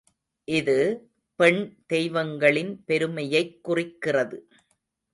இது, பெண் தெய்வங்களின் பெருமையைக் குறிக்கிறது.